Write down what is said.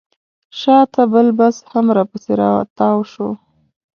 شاته بل بس هم راپسې راتاو شو.